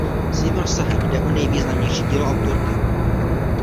Svým rozsahem jde o nejvýznamnější dílo autorky.